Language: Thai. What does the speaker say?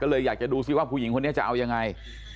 ก็เลยอยากจะดูซิว่าผู้หญิงคนนี้จะเอายังไง